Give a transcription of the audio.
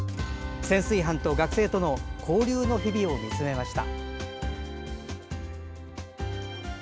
潜水班と学生との交流の日々を見つめました。